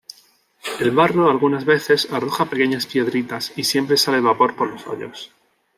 El barro algunas veces arroja pequeñas piedritas y siempre sale vapor por los hoyos.